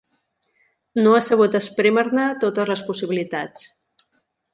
No ha sabut esprémer-ne totes les possibilitats.